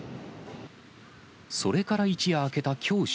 それから一夜明けたきょう正